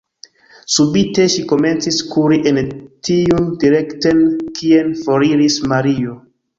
Subite ŝi komencis kuri en tiun direkten, kien foriris Mario.